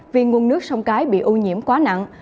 vì nguồn nước sông cái bị ô nhiễm quá nặng